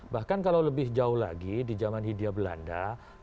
bahkan kalau lebih jauh lagi di zaman hindia belanda